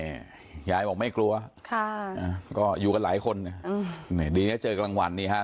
นี่ยายบอกไม่กลัวค่ะอ่าก็อยู่กับหลายคนอืมดีนะเจอกับรางวัลนี่ฮะ